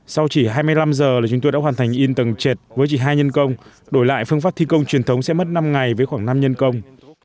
sau chỉ hai mươi năm giờ là chúng tôi đã hoàn thành in tầng chệt với chỉ hai nhân công đổi lại phương pháp thi công truyền thống sẽ mất năm ngày với khoảng năm nhân công